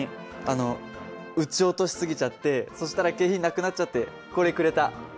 あの撃ち落とし過ぎちゃってそしたら景品なくなっちゃってこれくれた。